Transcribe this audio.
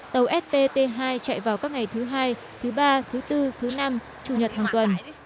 tàu spt hai chạy vào các ngày thứ hai thứ ba thứ bốn thứ năm chủ nhật hàng tuần